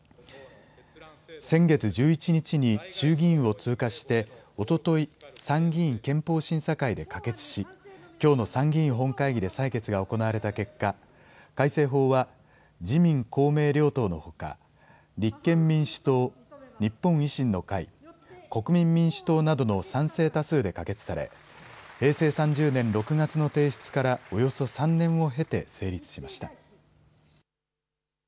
先月１１日に衆議院を通過して、おととい、参議院憲法審査会で可決し、きょうの参議院本会議で採決が行われた結果、改正法は自民、公明両党のほか、立憲民主党、日本維新の会、国民民主党などの賛成多数で可決され、平成３０年６月の提出からおよそ３年を経て、成立しました。